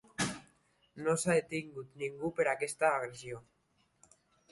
No s'ha detingut ningú per aquesta agressió.